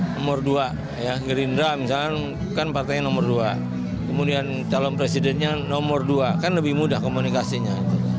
nomor dua ya gerindra misalnya kan partainya nomor dua kemudian calon presidennya nomor dua kan lebih mudah komunikasinya